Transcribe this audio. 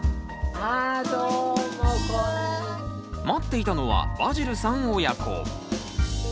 待っていたのはバジルさん親子。